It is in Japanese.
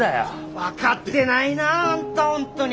分かってないなあんた本当に。